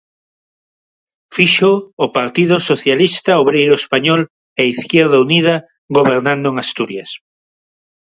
Fíxoo o Partido Socialista Obreiro Español e Izquierda Unida gobernando en Asturias.